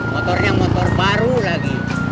motornya motor baru lagi